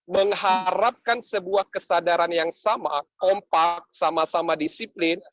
mengharapkan sebuah kesadaran yang sama kompak sama sama disiplin